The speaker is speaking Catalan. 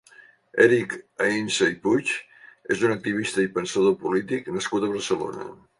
Enric Ainsa i Puig és un activista i pensador polític nascut a Barcelona.